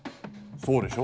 そうでしょ。